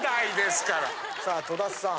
さあ戸田さん。